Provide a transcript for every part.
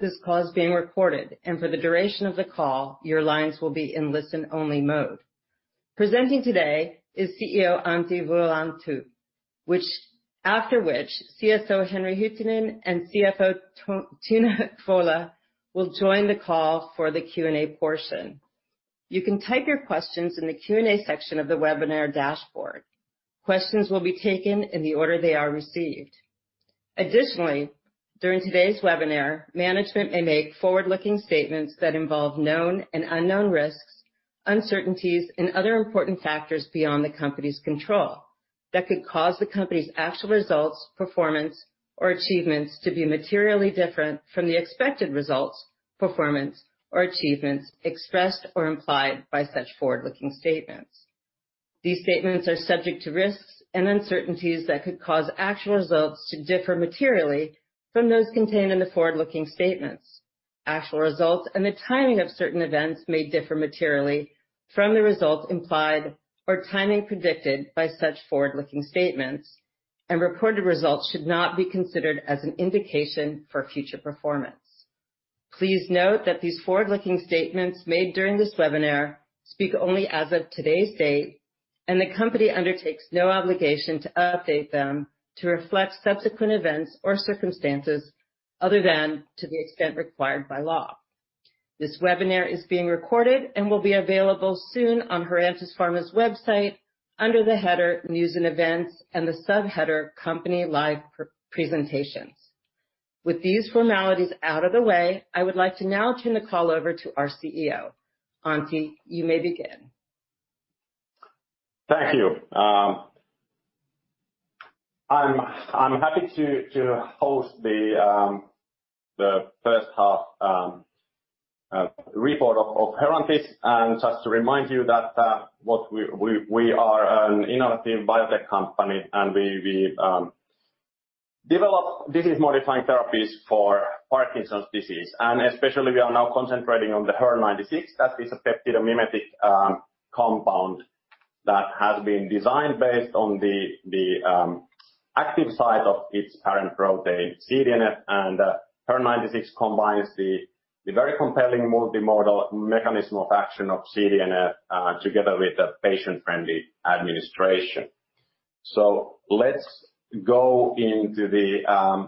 This call is being recorded, and for the duration of the call, your lines will be in listen-only mode. Presenting today is CEO, Antti Vuolanto, after which CSO, Henri Huttunen, and CFO, Tone Kvåle, will join the call for the Q&A portion. You can type your questions in the Q&A section of the webinar dashboard. Questions will be taken in the order they are received. Additionally, during today's webinar, management may make forward-looking statements that involve known and unknown risks, uncertainties, and other important factors beyond the company's control that could cause the company's actual results, performance, or achievements to be materially different from the expected results, performance, or achievements expressed or implied by such forward-looking statements. These statements are subject to risks and uncertainties that could cause actual results to differ materially from those contained in the forward-looking statements. Actual results and the timing of certain events may differ materially from the results implied or timing predicted by such forward-looking statements, and reported results should not be considered as an indication for future performance. Please note that these forward-looking statements made during this webinar speak only as of today's date, and the company undertakes no obligation to update them to reflect subsequent events or circumstances other than to the extent required by law. This webinar is being recorded and will be available soon on Herantis Pharma's website under the header News and Events and the subheader Company Live Presentations. With these formalities out of the way, I would like to now turn the call over to our CEO. Antti, you may begin. Thank you. I'm happy to host the first half report of Herantis. Just to remind you that we are an innovative biotech company, and we develop disease-modifying therapies for Parkinson's disease. Especially we are now concentrating on the HER-096. That is a peptide mimetic compound that has been designed based on the active site of its parent protein, CDNF, and HER-096 combines the very compelling multimodal mechanism of action of CDNF together with a patient-friendly administration. Let's go into the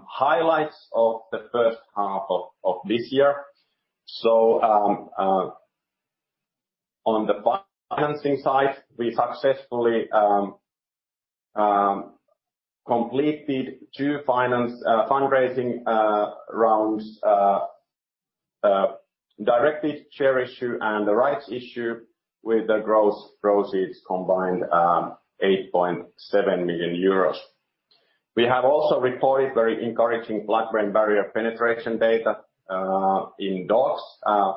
highlights of the first half of this year. On the financing side, we successfully completed two fundraising rounds, directed share issue and the rights issue with the gross proceeds combined 8.7 million euros. We have also reported very encouraging blood-brain barrier penetration data in dogs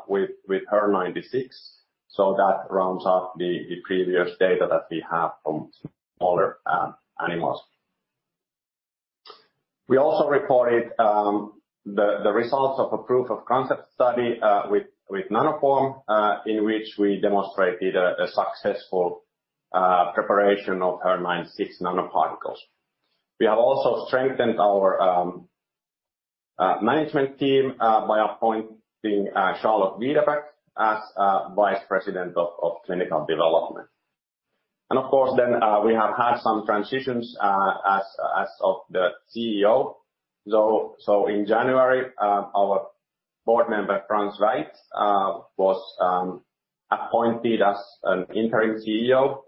with HER-096, so that rounds up the previous data that we have from smaller animals. We also reported the results of a proof-of-concept study with Nanoform in which we demonstrated a successful preparation of HER-096 nanoparticles. We have also strengthened our management team by appointing Charlotte Videbæk as Vice President of Clinical Development. Of course, then, we have had some transitions as of the CEO. In January, our board member, Frans Wuite, was appointed as an interim CEO.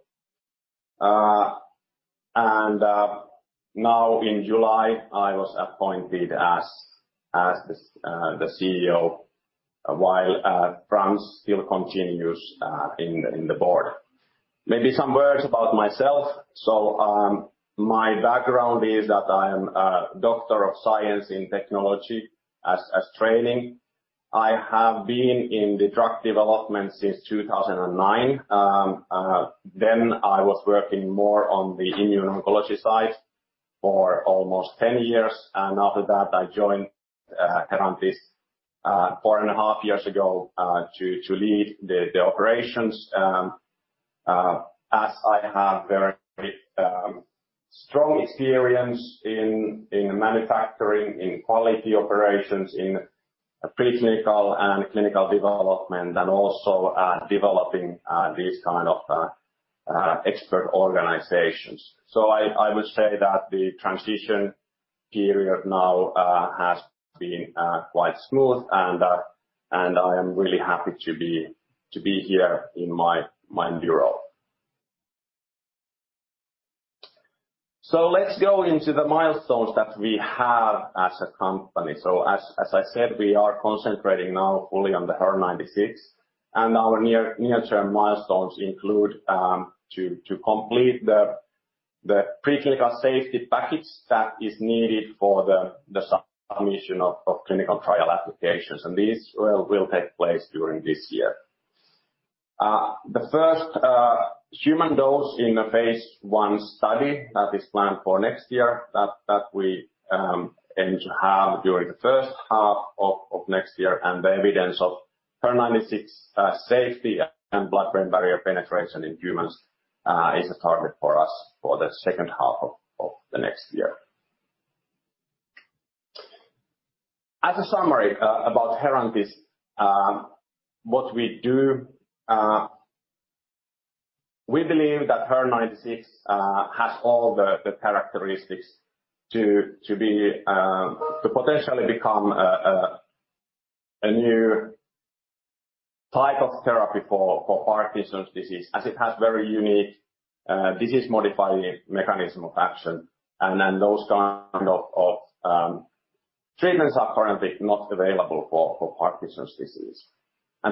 Now in July, I was appointed as the CEO while Frans still continues in the board. Maybe some words about myself. My background is that I am a Doctor of Science in Technology as training. I have been in the drug development since 2009. Then I was working more on the immuno-oncology side for almost 10 years. After that, I joined Herantis four and a half years ago to lead the operations as I have very strong experience in manufacturing, in quality operations, in preclinical and clinical development, and also developing these kind of expert organizations. I would say that the transition period now has been quite smooth and I am really happy to be here in my new role. Let's go into the milestones that we have as a company. As I said, we are concentrating now fully on the HER-096, and our near-term milestones include to complete the preclinical safety package that is needed for the submission of clinical trial applications. These will take place during this year. The first human dose in the phase I study that is planned for next year that we aim to have during the first half of next year and the evidence of HER-096 safety and blood-brain barrier penetration in humans is a target for us for the second half of the next year. As a summary about Herantis what we do— we believe that HER-096 has all the characteristics to be to potentially become a new type of therapy for Parkinson's disease as it has very unique disease-modifying mechanism of action. Then those kind of treatments are currently not available for Parkinson's disease.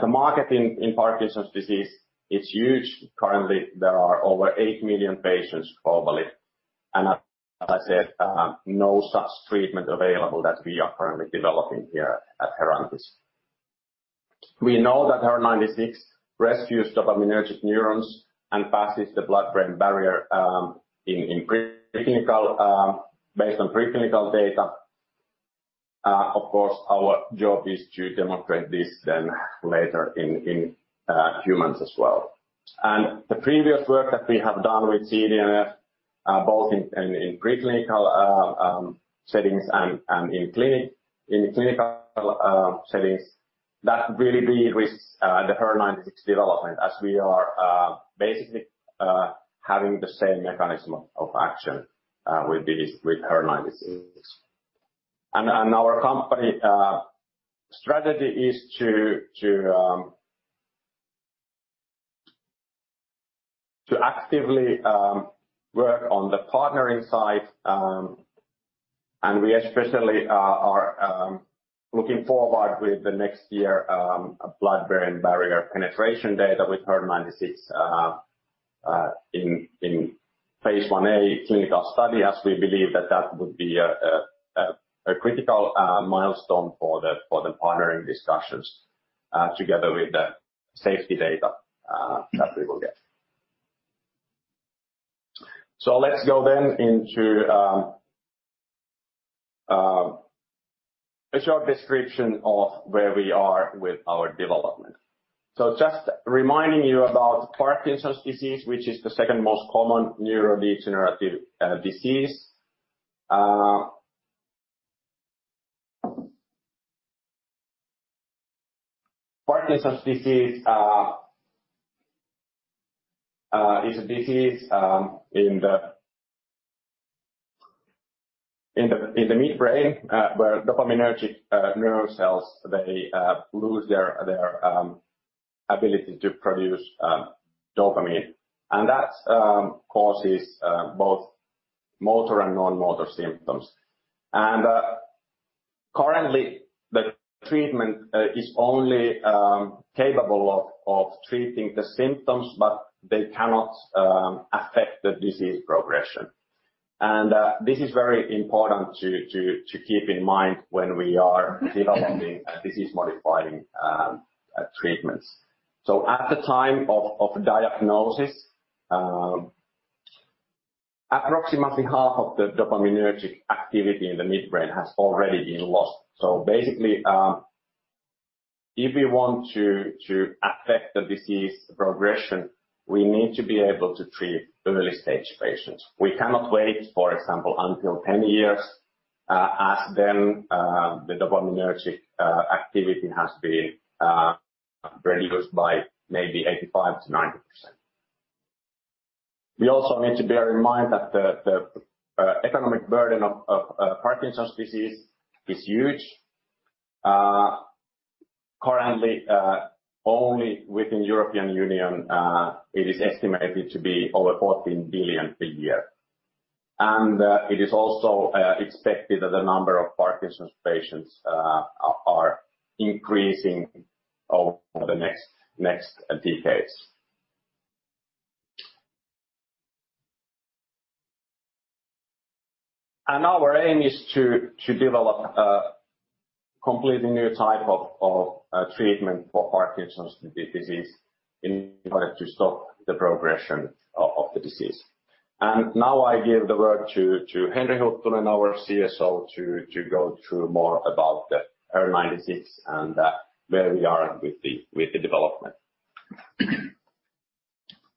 The market in Parkinson's disease is huge. Currently, there are over 8 million patients globally, and as I said, no such treatment available that we are currently developing here at Herantis. We know that HER-096 rescues dopaminergic neurons and passes the blood-brain barrier in pre-clinical— based on pre-clinical data. Of course our job is to demonstrate this then later in humans as well. The previous work that we have done with CDNF both in pre-clinical settings and in the clinical settings that really, really risks the HER-096 development as we are basically having the same mechanism of action with HER-096. Our company strategy is to actively work on the partnering side. We especially are looking forward with the next year a blood-brain barrier penetration data with HER-096 in phase I-A clinical study, as we believe that would be a critical milestone for the partnering discussions together with the safety data that we will get. Let's go then into a short description of where we are with our development. Just reminding you about Parkinson's disease, which is the second most common neurodegenerative disease. Parkinson's disease is a disease in the midbrain where dopaminergic neural cells, they lose their ability to produce dopamine. That causes both motor and non-motor symptoms. Currently the treatment is only capable of treating the symptoms, but they cannot affect the disease progression. This is very important to keep in mind when we are developing a disease-modifying treatments. At the time of diagnosis, approximately half of the dopaminergic activity in the midbrain has already been lost. Basically, if we want to affect the disease progression, we need to be able to treat early-stage patients. We cannot wait, for example, until 10 years, as then, the dopaminergic activity has been reduced by maybe 85%-90%. We also need to bear in mind that the economic burden of Parkinson's disease is huge. Currently, only within European Union, it is estimated to be over 14 billion per year. It is also expected that the number of Parkinson's patients are increasing over the next decades. Our aim is to develop a completely new type of treatment for Parkinson's disease in order to stop the progression of the disease. Now I give the word to Henri Huttunen, our CSO, to go through more about the HER-096 and where we are with the development.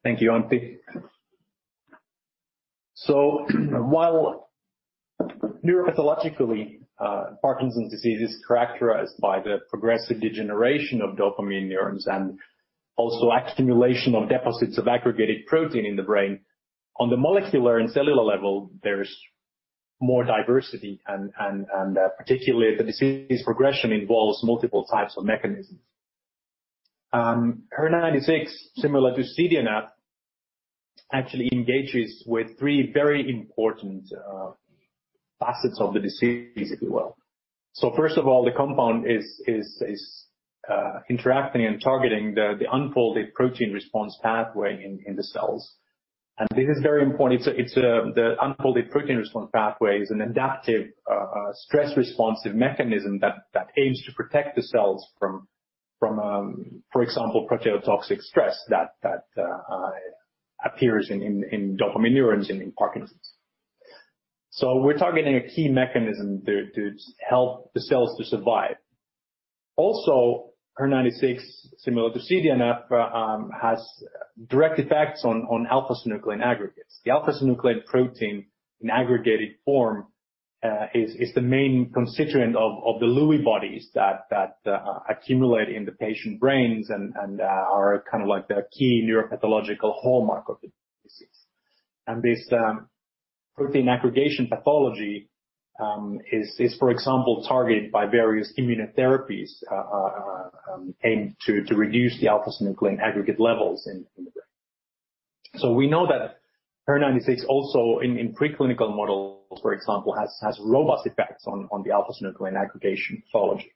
Thank you, Antti. While neuropathologically, Parkinson's disease is characterized by the progressive degeneration of dopaminergic neurons and also accumulation of deposits of aggregated protein in the brain, on the molecular and cellular level, there's more diversity and particularly the disease progression involves multiple types of mechanisms. HER-096 similar to CDNF, actually engages with three very important facets of the disease, if you will. First of all, the compound is interacting and targeting the unfolded protein response pathway in the cells. This is very important. The unfolded protein response pathway is an adaptive stress responsive mechanism that aims to protect the cells from, for example, proteotoxic stress that appears in dopamine neurons in Parkinson's. We're targeting a key mechanism to help the cells to survive. Also, HER-096, similar to CDNF, has direct effects on alpha-synuclein aggregates. The alpha-synuclein protein in aggregated form is the main constituent of the Lewy bodies that accumulate in the patient brains and are kind of like the key neuropathological hallmark of the disease. This protein aggregation pathology is for example targeted by various immunotherapies aimed to reduce the alpha-synuclein aggregate levels in the brain. We know that HER-096 also in preclinical models, for example, has robust effects on the alpha-synuclein aggregation pathology.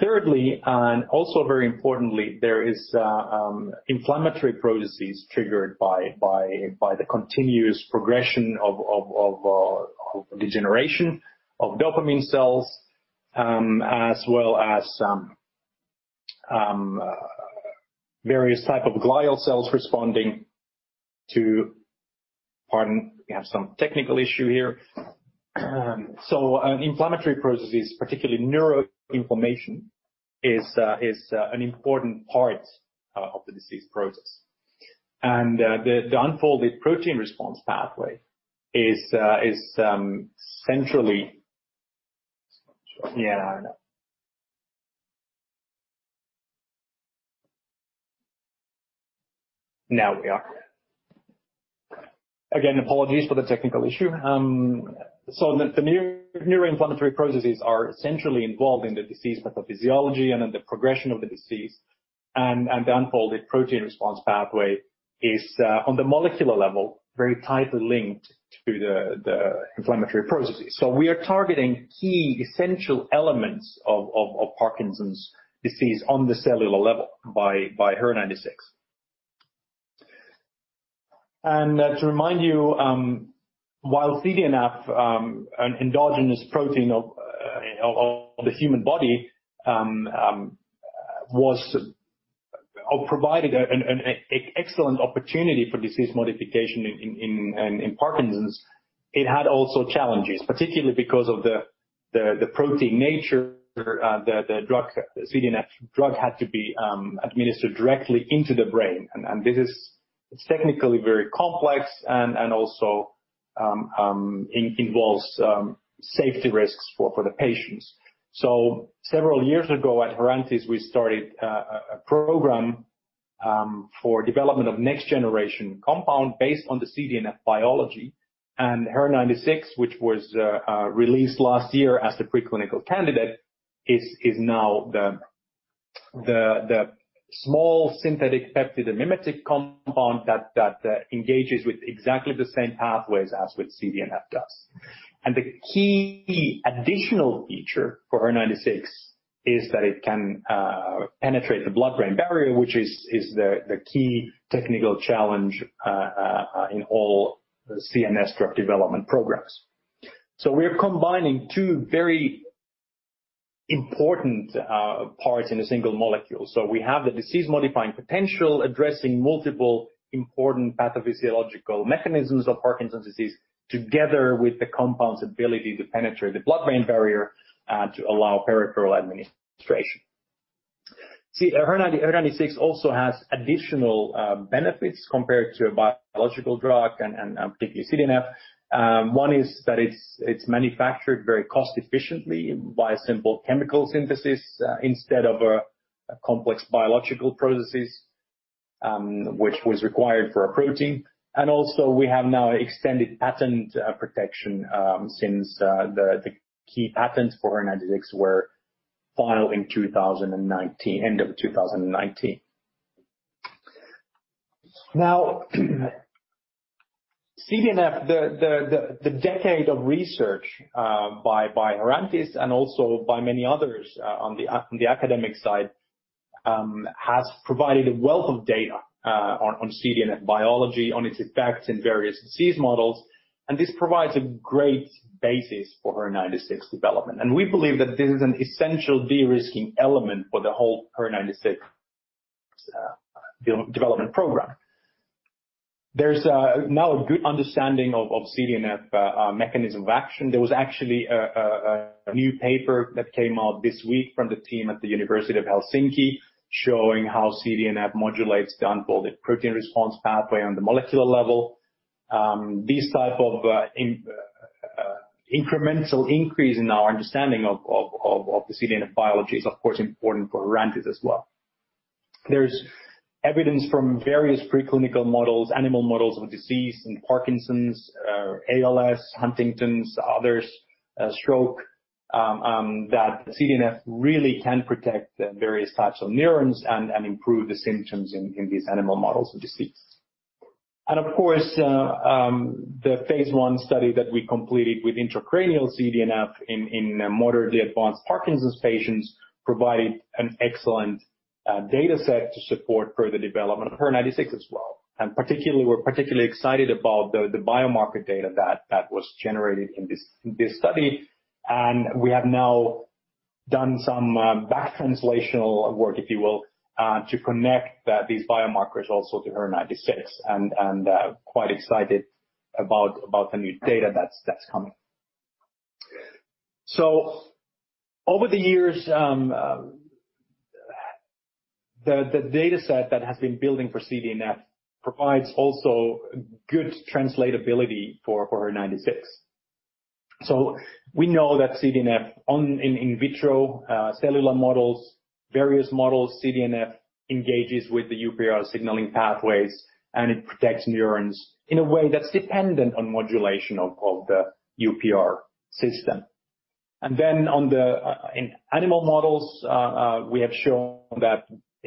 Thirdly, and also very importantly, there is inflammatory processes triggered by the continuous progression of degeneration of dopamine cells, as well as various type of glial cells responding to— Pardon, we have some technical issue here. Inflammatory processes, particularly neuroinflammation, is an important part of the disease process. The unfolded protein response pathway is centrally— Again, apologies for the technical issue. Neuroinflammatory processes are essentially involved in the disease pathophysiology and in the progression of the disease. The unfolded protein response pathway is on the molecular level very tightly linked to the inflammatory processes. We are targeting key essential elements of Parkinson's disease on the cellular level by HER-096. To remind you, while CDNF, an endogenous protein of the human body, provided an excellent opportunity for disease modification in Parkinson's, it had also challenges, particularly because of the protein nature, the drug, CDNF. The drug had to be administered directly into the brain. This is technically very complex and also involves safety risks for the patients. Several years ago at Herantis, we started a program for development of next generation compound based on the CDNF biology and HER-096, which was released last year as the preclinical candidate. It is now the small synthetic peptide mimetic compound that engages with exactly the same pathways as what CDNF does. The key additional feature for HER-096 is that it can penetrate the blood-brain barrier, which is the key technical challenge in all CNS drug development programs. We are combining two very important parts in a single molecule. We have the disease-modifying potential, addressing multiple important pathophysiological mechanisms of Parkinson's disease, together with the compound's ability to penetrate the blood-brain barrier to allow peripheral administration. See, HER-096 also has additional benefits compared to a biological drug and particularly CDNF. One is that it's manufactured very cost efficiently by a simple chemical synthesis instead of a complex biological processes which was required for a protein. Also we have now extended patent protection since the key patents for HER-096 were filed in 2019, end of 2019. Now CDNF, the decade of research by Herantis and also by many others on the academic side has provided a wealth of data on CDNF biology, on its effects in various disease models. This provides a great basis for HER-096 development. We believe that this is an essential de-risking element for the whole HER-096 development program. There's now a good understanding of CDNF mechanism of action. There was actually a new paper that came out this week from the team at the University of Helsinki showing how CDNF modulates the unfolded protein response pathway on the molecular level. These type of incremental increase in our understanding of the CDNF biology is of course important for Herantis as well. There's evidence from various preclinical models, animal models of disease in Parkinson's, ALS, Huntington's, others, stroke, that CDNF really can protect various types of neurons and improve the symptoms in these animal models of disease. Of course, the phase I study that we completed with intracranial CDNF in moderately advanced Parkinson's patients provided an excellent data set to support further development of HER-096 as well. Particularly, we're excited about the biomarker data that was generated in this study. We have now done some back translational work, if you will, to connect these biomarkers also to HER-096 and quite excited about the new data that's coming. Over the years, the data set that has been building for CDNF provides also good translatability for HER-096. We know that CDNF on in-vitro cellular models, various models, CDNF engages with the UPR signaling pathways, and it protects neurons in a way that's dependent on modulation of the UPR system.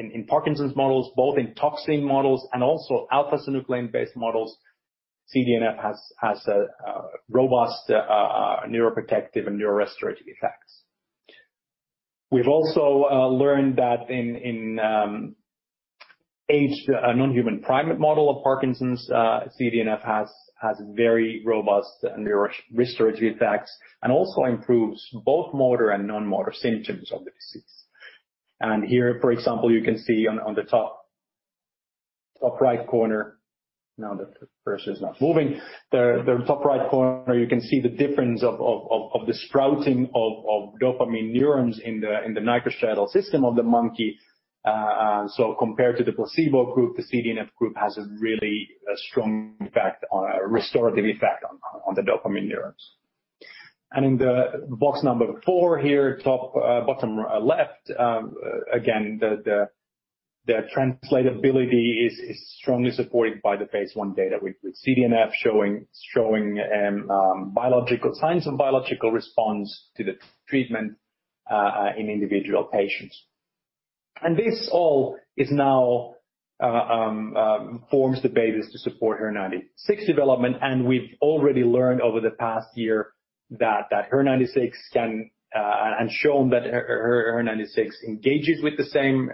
In animal models, we have shown that in Parkinson's models, both in toxin models and also alpha-synuclein based models, CDNF has a robust neuroprotective and neurorestorative effects. We've also learned that in aged non-human primate model of Parkinson's, CDNF has very robust neurorestorative effects and also improves both motor and non-motor symptoms of the disease. Here, for example, you can see on the top right corner, now that the cursor is not moving. The top right corner, you can see the difference of the sprouting of dopamine neurons in the nigrostriatal system of the monkey. Compared to the placebo group, the CDNF group has a really strong effect on a restorative effect on the dopamine neurons. In the box number four here, top, bottom left, again, the translatability is strongly supported by the phase I data with CDNF showing biological signs and biological response to the treatment in individual patients. This all now forms the basis to support HER-096 development. We've already learned over the past year that HER-096 can and shown that HER-096 engages with the same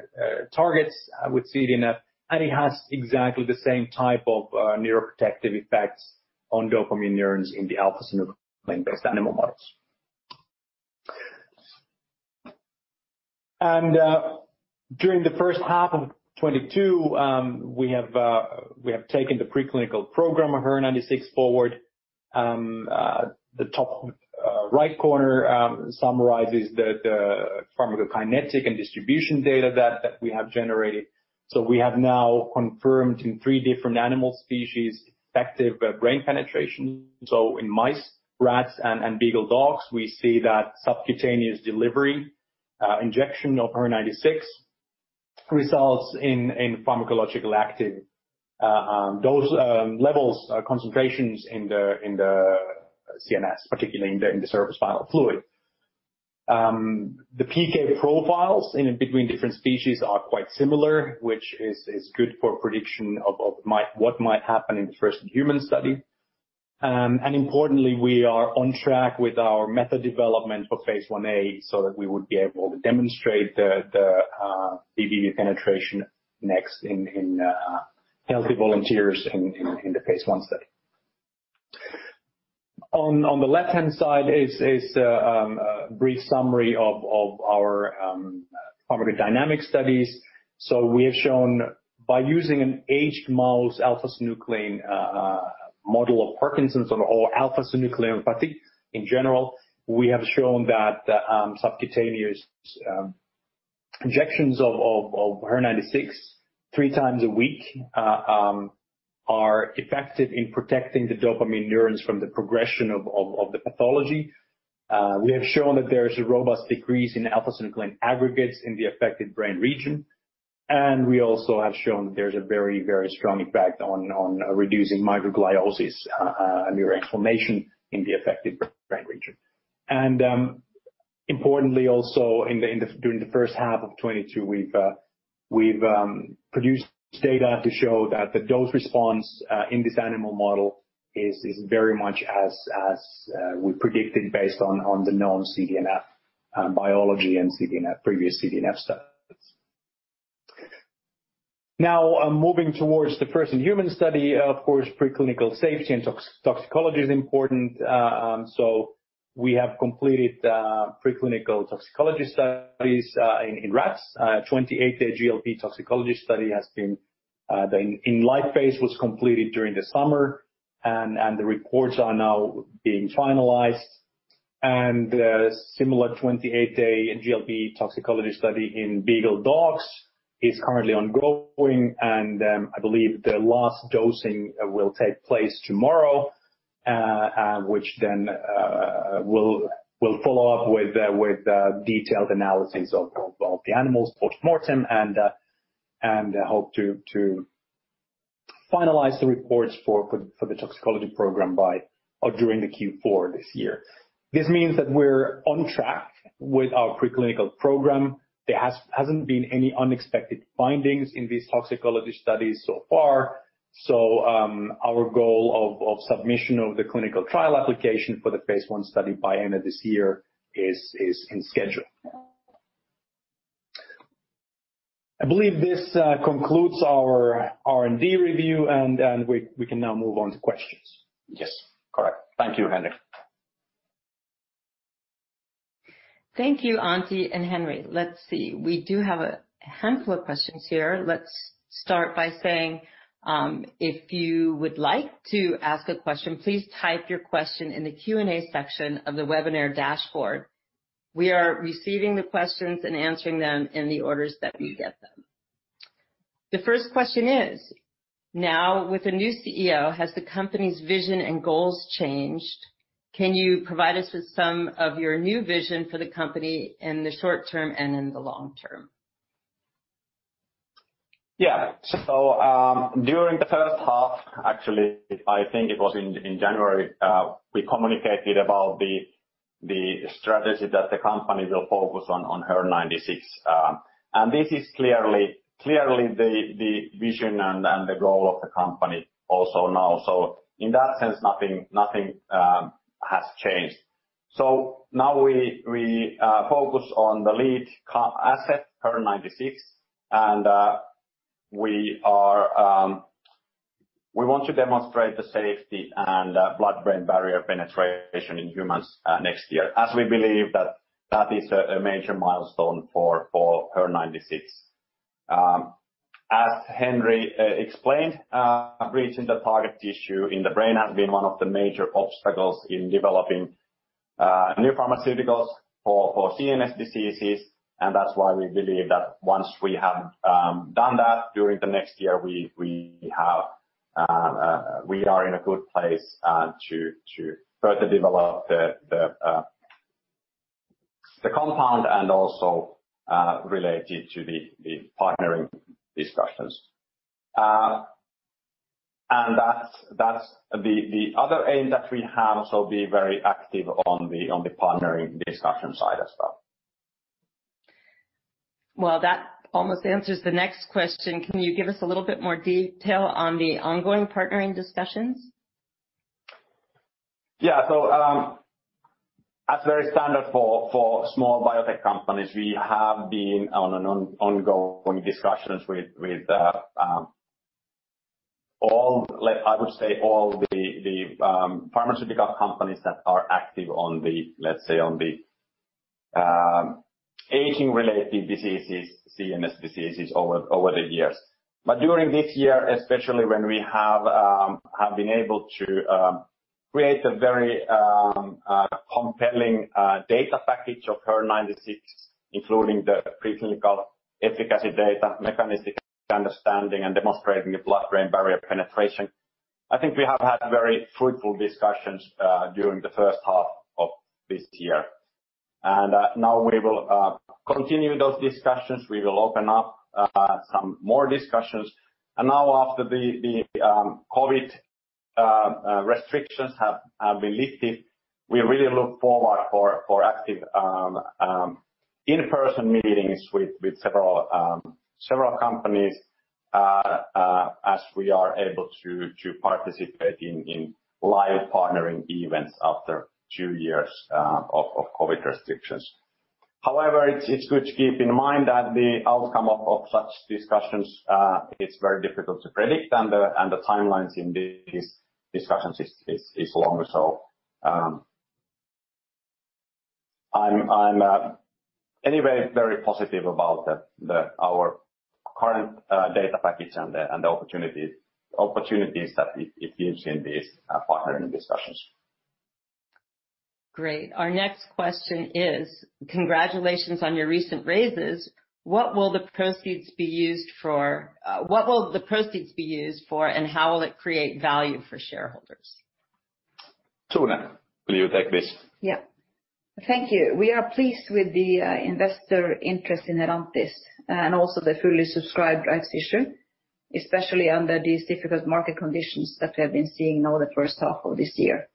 targets with CDNF, and it has exactly the same type of neuroprotective effects on dopamine neurons in the alpha-synuclein-based animal models. During the first half of 2022, we have taken the preclinical program of HER-096 forward. The top right corner summarizes the pharmacokinetic and distribution data that we have generated. We have now confirmed in three different animal species effective brain penetration. In mice, rats and beagle dogs, we see that subcutaneous delivery injection of HER-096 results in pharmacologically active dose levels concentrations in the CNS, particularly in the cerebrospinal fluid. The PK profiles in between different species are quite similar, which is good for prediction of what might happen in the first human study. Importantly, we are on track with our method development for phase I-A so that we would be able to demonstrate the BBB penetration next in healthy volunteers in the phase I study. On the left-hand side is a brief summary of our pharmacodynamic studies. We have shown by using an aged mouse alpha-synuclein model of Parkinson's or alpha-synucleinopathy in general, we have shown that subcutaneous injections of HER-096 three times a week are effective in protecting the dopamine neurons from the progression of the pathology. We have shown that there is a robust decrease in alpha-synuclein aggregates in the affected brain region. We also have shown there's a very, very strong effect on reducing microgliosis and neuroinflammation in the affected brain region. Importantly, also during the first half of 2022, we've produced data to show that the dose response in this animal model is very much as we predicted based on the known CDNF biology and previous CDNF studies. Now, moving towards the first human study, of course, preclinical safety and toxicology is important. We have completed preclinical toxicology studies in rats. 28-day GLP toxicology study, the in-life phase was completed during the summer, and the reports are now being finalized. A similar 28-day GLP toxicology study in beagle dogs is currently ongoing, and I believe the last dosing will take place tomorrow. Which then, we'll follow up with detailed analysis of the animals post-mortem and hope to finalize the reports for the toxicology program by or during the Q4 this year. This means that we're on track with our preclinical program. There hasn't been any unexpected findings in these toxicology studies so far. Our goal of submission of the clinical trial application for the phase I study by end of this year is on schedule. I believe this concludes our R&D review, and we can now move on to questions. Yes. Correct. Thank you, Henri. Thank you, Antti and Henri. Let's see. We do have a handful of questions here. Let's start by saying, if you would like to ask a question, please type your question in the Q&A section of the webinar dashboard. We are receiving the questions and answering them in the orders that we get them. The first question is: Now, with a new CEO, has the company's vision and goals changed? Can you provide us with some of your new vision for the company in the short term and in the long term? During the first half, actually, I think it was in January, we communicated about the strategy that the company will focus on HER-096. This is clearly the vision and the goal of the company also now. In that sense, nothing has changed. Now we focus on the lead asset, HER-096, and we want to demonstrate the safety and blood-brain barrier penetration in humans next year, as we believe that is a major milestone for HER-096. As Henri explained, reaching the target tissue in the brain has been one of the major obstacles in developing new pharmaceuticals for CNS diseases, and that's why we believe that once we have done that during the next year, we are in a good place to further develop the compound and also related to the partnering discussions. That's— the other aim that we have, so be very active on the partnering discussion side as well. Well, that almost answers the next question. Can you give us a little bit more detail on the ongoing partnering discussions? Yeah. As very standard for small biotech companies, we have been in ongoing discussions with all, like, I would say, all the pharmaceutical companies that are active in the, let's say, on the aging-related diseases, CNS diseases over the years. During this year, especially when we have been able to create a very compelling data package of HER-096, including the preclinical efficacy data, mechanistic understanding, and demonstrating the blood-brain barrier penetration, I think we have had very fruitful discussions during the first half of this year. Now we will continue those discussions. We will open up some more discussions. Now after the COVID restrictions have been lifted, we really look forward for active in-person meetings with several companies as we are able to participate in live partnering events after two years of COVID restrictions. However, it's good to keep in mind that the outcome of such discussions is very difficult to predict, and the timelines in these discussions is long. I'm anyway very positive about our current data package and the opportunities that it gives in these partnering discussions. Great. Our next question is, congratulations on your recent raises. What will the proceeds be used for, and how will it create value for shareholders? Tone, will you take this? Yeah. Thank you. We are pleased with the investor interest in Herantis, and also the fully subscribed rights issue, especially under these difficult market conditions that we have been seeing now the first half of this year.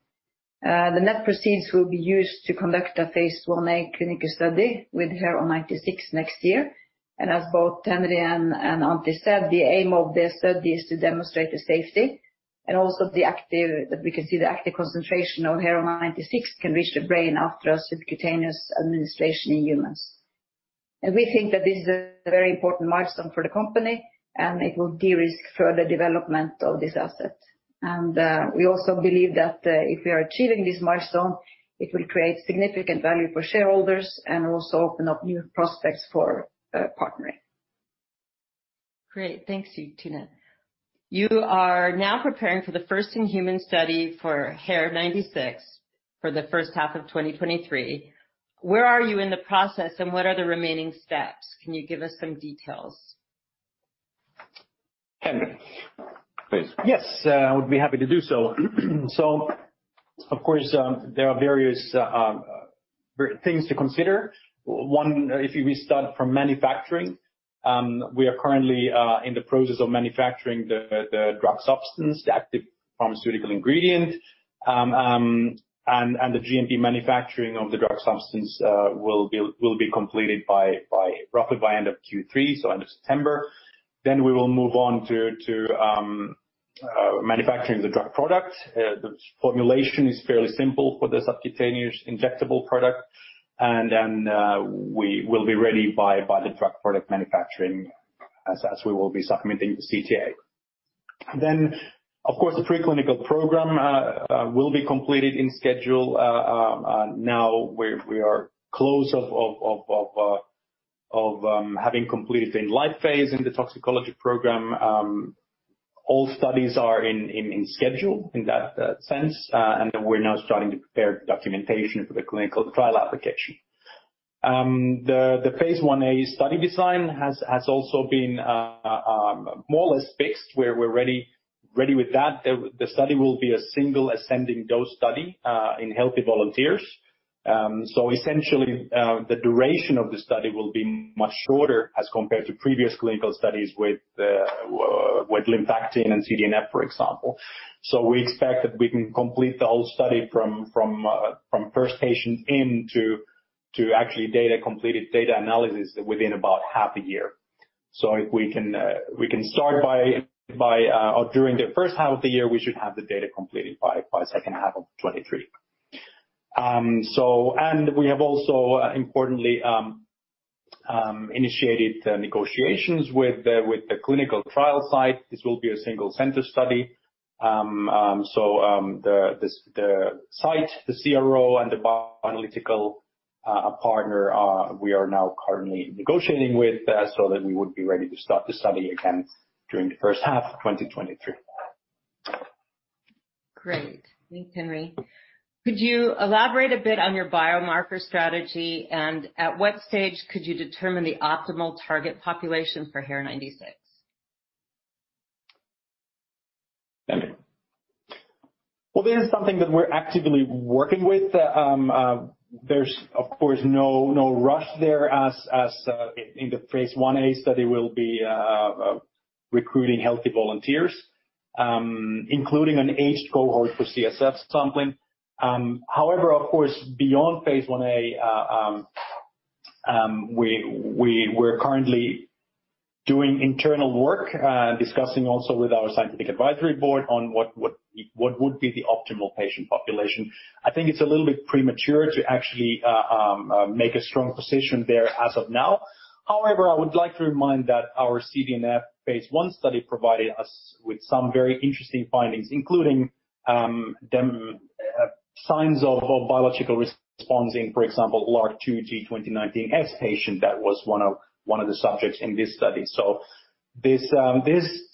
The net proceeds will be used to conduct a phase I-A clinical study with HER-096 next year. As both Henri and Antti said, the aim of the study is to demonstrate the safety and also the active, that we can see the active concentration of HER-096 can reach the brain after a subcutaneous administration in humans. We think that this is a very important milestone for the company, and it will de-risk further development of this asset. We also believe that if we are achieving this milestone, it will create significant value for shareholders and also open up new prospects for partnering. Great. Thanks, Tone. You are now preparing for the first in-human study for HER-096 for the first half of 2023. Where are you in the process, and what are the remaining steps? Can you give us some details? Henri, please. Yes, I would be happy to do so. Of course, there are various things to consider. One, if we start from manufacturing, we are currently in the process of manufacturing the drug substance, the active pharmaceutical ingredient. And the GMP manufacturing of the drug substance will be completed by roughly end of Q3, so end of September. We will move on to manufacturing the drug product. The formulation is fairly simple for the subcutaneous injectable product. We will be ready by the drug product manufacturing as we will be submitting the CTA. Of course, the pre-clinical program will be completed on schedule. Now we are close to having completed the in-life phase in the toxicology program. All studies are on schedule in that sense. We're now starting to prepare documentation for the clinical trial application. The phase I-A study design has also been more or less fixed where we're ready with that. The study will be a single ascending dose study in healthy volunteers. Essentially, the duration of the study will be much shorter as compared to previous clinical studies with Lymfactin and CDNF, for example. We expect that we can complete the whole study from first patient in to actually completed data analysis within about half a year. During the first half of the year, we should have the data completed by the second half of 2023. We have also importantly initiated negotiations with the clinical trial site. This will be a single center study. The site, the CRO and the bioanalytical partner we are now currently negotiating with so that we would be ready to start the study again during the first half of 2023. Great. Thank you, Henri. Could you elaborate a bit on your biomarker strategy and at what stage could you determine the optimal target population for HER-096? Well, this is something that we're actively working with. There's of course no rush there as in the phase I-A study will be recruiting healthy volunteers, including an aged cohort for CSF sampling. However, of course, beyond phase I-A, we're currently doing internal work, discussing also with our scientific advisory board on what would be the optimal patient population. I think it's a little bit premature to actually make a strong position there as of now. However, I would like to remind that our CDNF phase I study provided us with some very interesting findings, including some signs of biological response in, for example, LRRK2 G2019S patient. That was one of the subjects in this study. This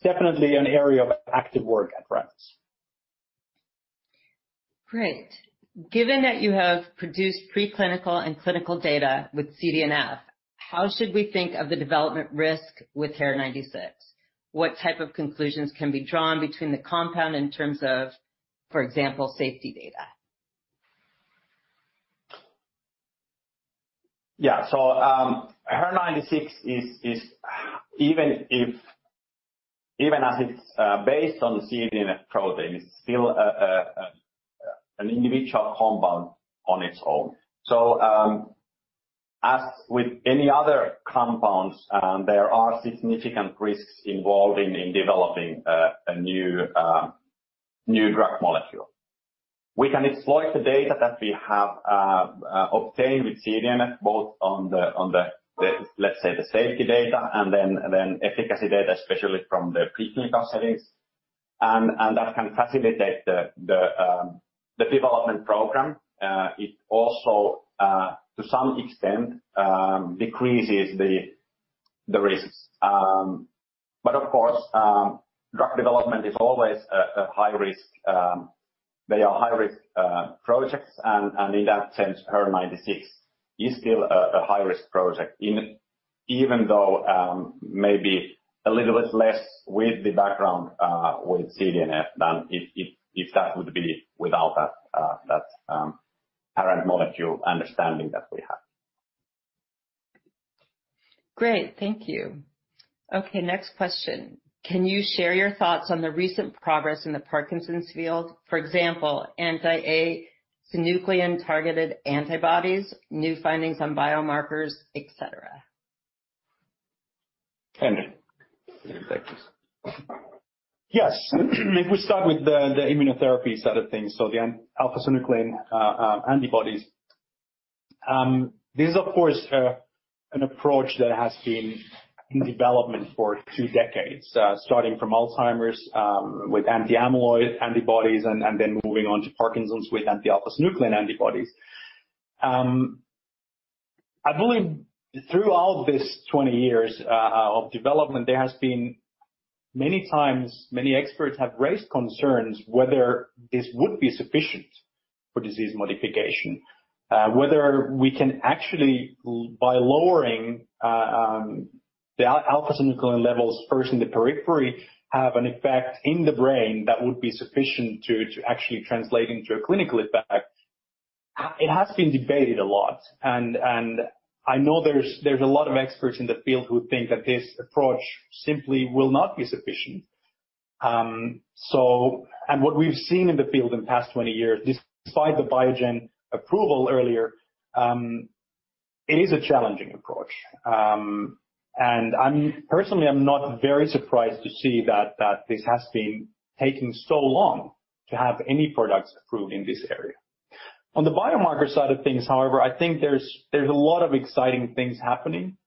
definitely an area of active work at Herantis. Great. Given that you have produced preclinical and clinical data with CDNF, how should we think of the development risk with HER-096? What type of conclusions can be drawn between the compound in terms of, for example, safety data? Yeah. HER-096 is even as it's based on CDNF protein, it's still an individual compound on its own. As with any other compounds, there are significant risks involved in developing a new drug molecule. We can exploit the data that we have obtained with CDNF both on the, let's say, the safety data and then efficacy data, especially from the preclinical settings. That can facilitate the development program. It also to some extent decreases the risks. But of course, drug development is always a high risk, they are high-risk projects, and in that sense, HER-096 is still a high-risk project. Even though, maybe a little bit less with the background with CDNF than if that would be without that, parent molecule understanding that we have. Great. Thank you. Okay, next question. Can you share your thoughts on the recent progress in the Parkinson's field? For example, anti-a-synuclein targeted antibodies, new findings on biomarkers, etc.? Henri, you can take this. Yes. If we start with the immunotherapy side of things, so the alpha-synuclein antibodies. This is of course an approach that has been in development for two decades, starting from Alzheimer's with anti-amyloid antibodies and then moving on to Parkinson's with anti-alpha-synuclein antibodies. I believe throughout this 20 years of development, there has been many times many experts have raised concerns whether this would be sufficient for disease modification. Whether we can actually by lowering the alpha-synuclein levels first in the periphery have an effect in the brain that would be sufficient to actually translating to a clinical effect. It has been debated a lot, and I know there's a lot of experts in the field who think that this approach simply will not be sufficient. What we've seen in the field in the past 20 years, despite the Biogen approval earlier, it is a challenging approach. I'm personally not very surprised to see that this has been taking so long to have any products approved in this area. On the biomarker side of things, however, I think there's a lot of exciting things happening.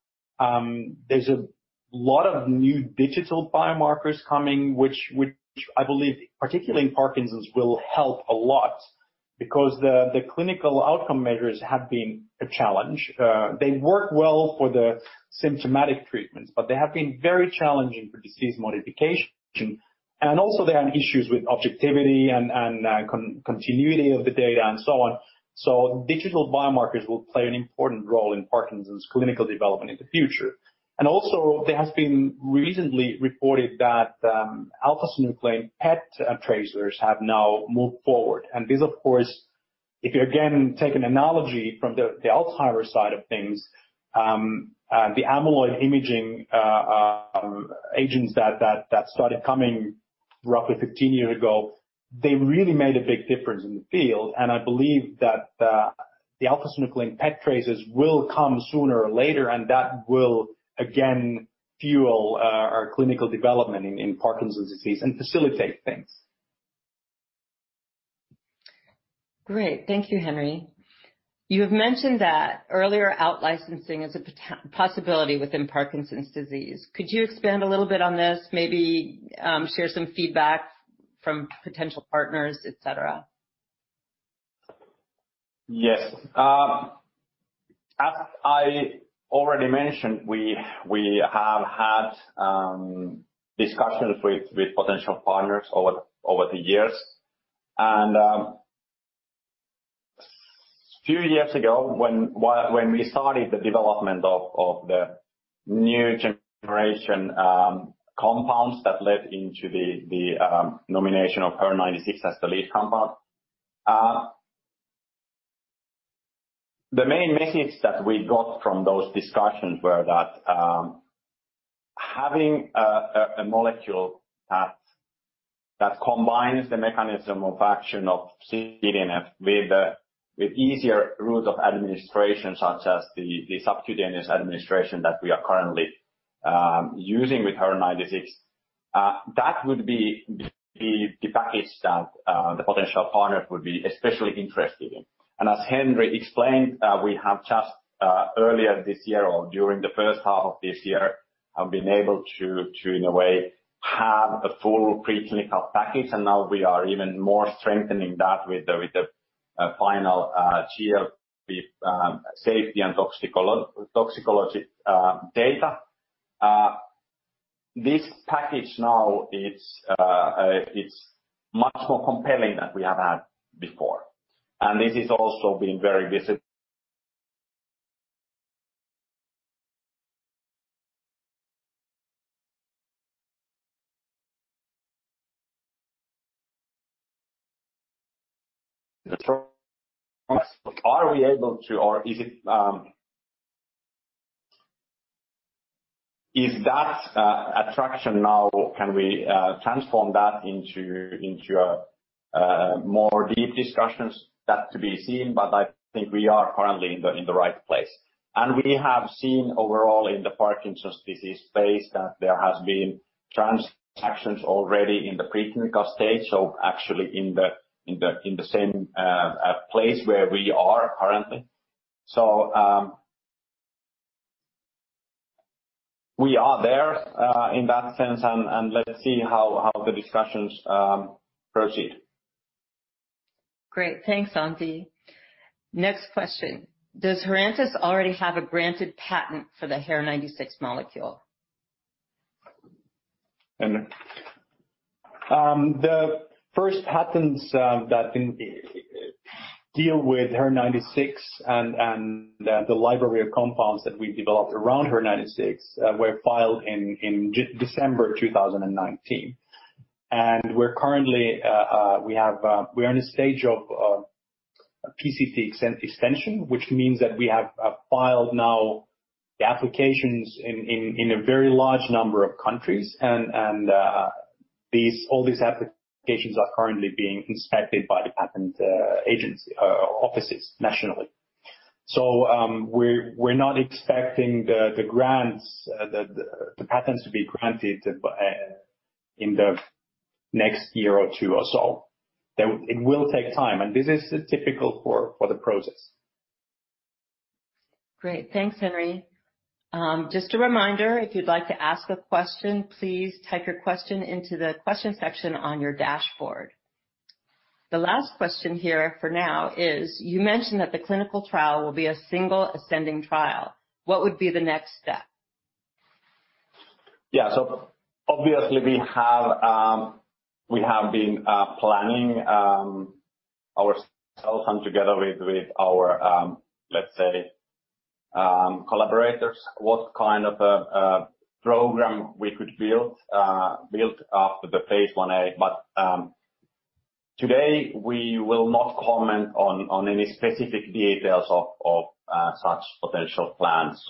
There's a lot of new digital biomarkers coming, which I believe, particularly in Parkinson's, will help a lot because the clinical outcome measures have been a challenge. They work well for the symptomatic treatments, but they have been very challenging for disease modification. Also there are issues with objectivity and continuity of the data and so on. Digital biomarkers will play an important role in Parkinson's clinical development in the future. Also, there has been recently reported that alpha-synuclein PET tracers have now moved forward. This of course, if you again take an analogy from the Alzheimer side of things, the amyloid imaging agents that started coming roughly 15 years ago, they really made a big difference in the field, and I believe that the alpha-synuclein PET tracers will come sooner or later, and that will again fuel our clinical development in Parkinson's disease and facilitate things. Great. Thank you, Henri. You have mentioned that earlier out-licensing is a possibility within Parkinson's disease. Could you expand a little bit on this, maybe, share some feedback from potential partners, et cetera? Yes. As I already mentioned, we have had discussions with potential partners over the years. A few years ago when we started the development of the new generation compounds that led to the nomination of HER-096 as the lead compound. The main message that we got from those discussions were that having a molecule that combines the mechanism of action of CDNF with easier routes of administration, such as the subcutaneous administration that we are currently using with HER-096, that would be the package that the potential partner would be especially interested in. As Henri explained, we have just earlier this year or during the first half of this year have been able to in a way have a full pre-clinical package. Now we are even more strengthening that with the final GLP safety and toxicology data. This package now is much more compelling than we have had before. This has also been very visible are we able to, or is it— Is that attraction now, can we transform that into a deeper discussion? That to be seen, but I think we are currently in the right place. We have seen overall in the Parkinson's disease space that there has been transactions already in the preclinical stage, so actually in the same place where we are currently. We are there in that sense, and let's see how the discussions proceed. Great. Thanks, Antti. Next question. Does Herantis already have a granted patent for the HER-096 molecule? Henri? The first patents that deal with HER-096 and the library of compounds that we developed around HER-096 were filed in December 2019. We're currently in a stage of PCT extension, which means that we have filed now the applications in a very large number of countries. All these applications are currently being inspected by the patent agency or offices nationally. We're not expecting the grants, the patents to be granted in the next year or two or so. It will take time, and this is typical for the process. Great. Thanks, Henri. Just a reminder, if you'd like to ask a question, please type your question into the question section on your dashboard. The last question here for now is, you mentioned that the clinical trial will be a single ascending trial. What would be the next step? Yeah. Obviously we have been planning ourselves and together with our, let's say, collaborators what kind of a program we could build after the phase I-A. Today we will not comment on any specific details of such potential plans.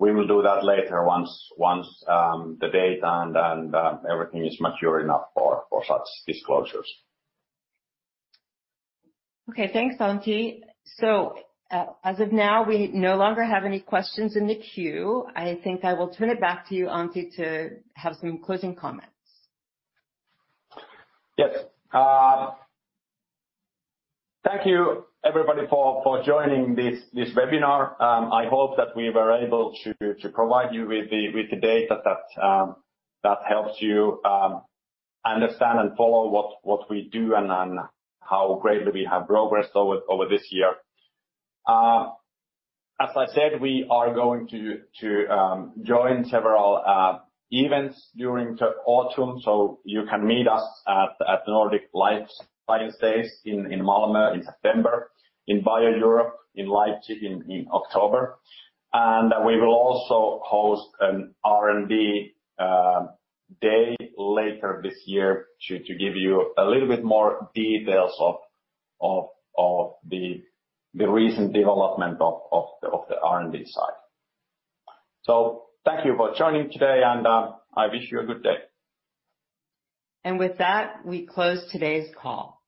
We will do that later once the data and everything is mature enough for such disclosures. Okay. Thanks, Antti. As of now, we no longer have any questions in the queue. I think I will turn it back to you, Antti, to have some closing comments. Yes. Thank you everybody for joining this webinar. I hope that we were able to provide you with the data that helps you understand and follow what we do and how greatly we have progressed over this year. As I said, we are going to join several events during autumn, so you can meet us at Nordic Life Science Days in Malmö in September, in BIO-Europe in Leipzig in October. We will also host an R&D day later this year to give you a little bit more details of the recent development of the R&D side. Thank you for joining today, and I wish you a good day. With that, we close today's call.